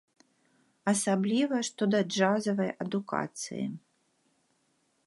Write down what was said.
Асабліва, што да джазавай адукацыі.